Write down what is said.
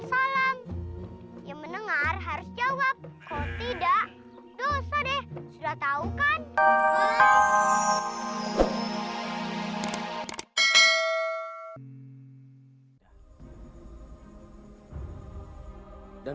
dosa deh sudah tahu kan